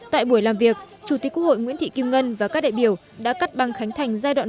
tại buổi làm việc chủ tịch quốc hội nguyễn thị kim ngân và các đại biểu đã cắt băng khánh thành giai đoạn một